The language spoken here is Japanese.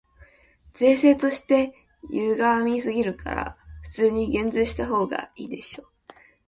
税制として歪すぎるから、普通に減税したほうがいいでしょ。